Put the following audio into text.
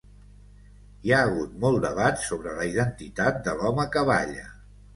Hi ha hagut molt debat sobre la identitat de l'home que balla.